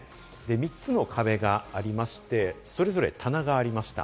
３つの壁がありまして、それぞれ棚がありました。